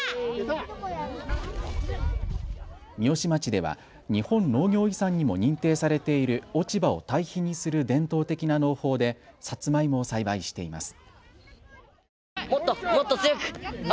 三芳町では日本農業遺産にも認定されている落ち葉を堆肥にする伝統的な農法でさつまいもを栽培しています。